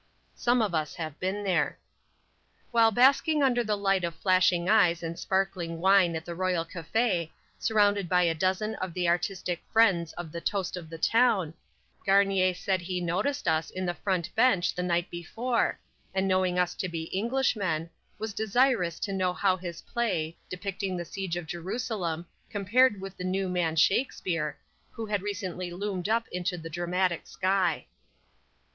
Some of us have been there. While basking under the light of flashing eyes and sparkling wine at the Royal Café, surrounded by a dozen of the artistic "friends" of the "toast of the town," Garnier said he noticed us in the front bench the night before, and knowing us to be Englishmen, was desirous to know how his play, depicting the siege of Jerusalem compared with the new man Shakspere, who had recently loomed up into the dramatic sky.